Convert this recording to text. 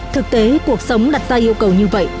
thực tế cuộc sống đặt ra yêu cầu như vậy